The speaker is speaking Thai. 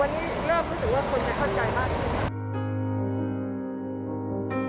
วันนี้เริ่มรู้สึกว่าคนจะเข้าใจมากขึ้น